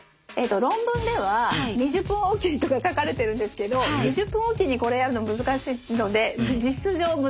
論文では２０分置きにとか書かれてるんですけど２０分置きにこれやるの難しいので実質上無理だと思うので。